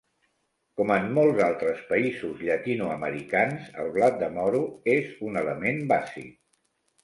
Com en molts altres països llatinoamericans, el blat de moro és un element bàsic.